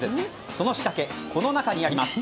その仕掛け、この中にあります。